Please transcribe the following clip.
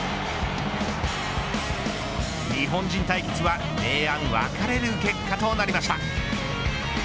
日本人対決は明暗分かれる結果となりました。